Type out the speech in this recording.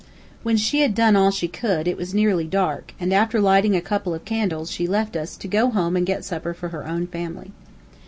When she had done all she could, it was nearly dark, and after lighting a couple of candles, she left us, to go home and get supper for her own family.